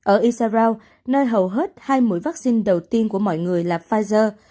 ở isaraok nơi hầu hết hai mũi vaccine đầu tiên của mọi người là pfizer